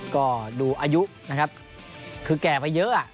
ก็ดูอายุนะครับคือแก่ไปเยอะ